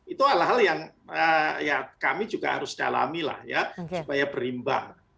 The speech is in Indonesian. itu hal hal yang ya kami juga harus dalami lah ya supaya berimbang